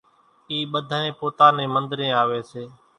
اِي ٻڌانئين پوتا نين منۮرين آوي سي